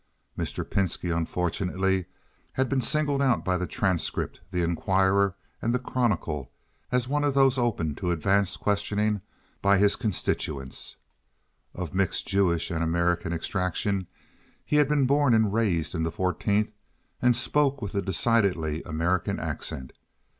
Mr. Pinski, unfortunately, had been singled out by the Transcript, the Inquirer, and the Chronicle as one of those open to advance questioning by his constituents. Of mixed Jewish and American extraction, he had been born and raised in the Fourteenth and spoke with a decidedly American accent.